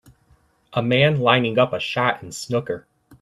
A man lining up a shot in snooker.